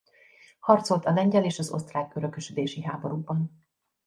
Harcolt a lengyel és az osztrák örökösödési háborúban.